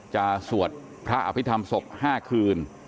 สวดพระอภิษฐรรมศพ๕คืน